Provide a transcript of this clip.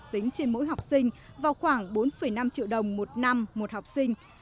tính trên mỗi học sinh vào khoảng bốn năm triệu đồng một năm một học sinh